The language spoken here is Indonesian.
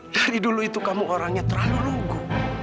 dari dulu itu kamu orangnya terlalu logo